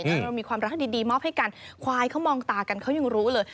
เรามีความรักดีมอบให้กันควายเขามองตากันเขายังรู้เลย